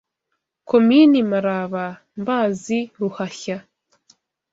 Komini Maraba, Mbazi, Ruhashya